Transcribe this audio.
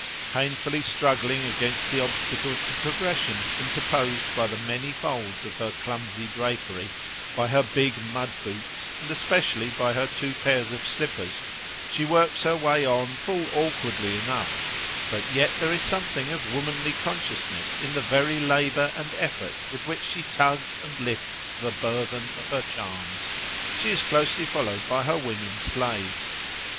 Painfully struggling against the obstacles to progression interposed by the many folds of her clumsy drapery, by her big mud boots, and especially by her two pairs of slippers, she works her way on full awkwardly enough, but yet there is something of womanly consciousness in the very labour and effort with which she tugs and lifts the burthen of her charms. She is closely followed by her women slaves.